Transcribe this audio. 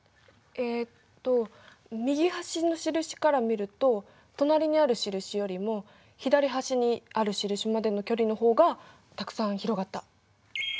えっと右端の印から見ると隣にある印よりも左端にある印までの距離の方がたくさん広がった。